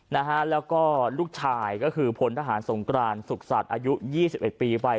นะฮะแล้วก็ลูกชายก็คือพลทหารสงกรานสุขสัตว์อายุยี่สิบเอ็ดปีไป